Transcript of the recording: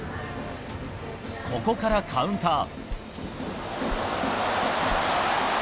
ここからカウンター。